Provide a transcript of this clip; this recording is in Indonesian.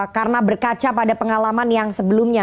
karena berkaca pada pengalaman yang sebelumnya